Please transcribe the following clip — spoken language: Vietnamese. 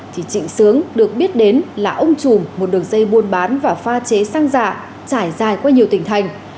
thì trịnh sướng được biết đến là ông chùm một đường dây buôn bán và pha chế xăng giả trải dài qua nhiều tỉnh thành